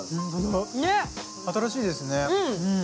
新しいですね。